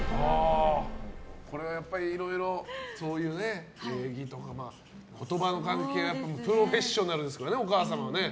これはいろいろそういう礼儀とか言葉の関係はプロフェッショナルですからねお母様は。